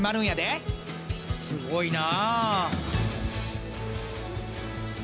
すごいな。